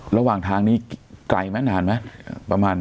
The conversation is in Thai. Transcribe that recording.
ระหว่างทางนี้ไกลไหมนานไหมประมาณ